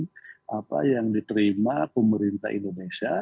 penghargaan yang diterima pemerintah indonesia